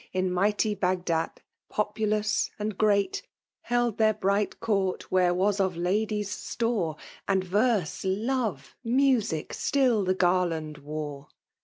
In mighty Bagdat, populous and great, HM their hright court where ivas of ladiet ttore, •And verse, lore^ music, stiU the garland wore.